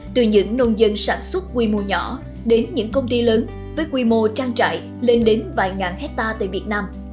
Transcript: từ những nông dân sản xuất quy mô nhỏ đến những công ty lớn với quy mô trang trại lên đến vài ngàn hectare tại việt nam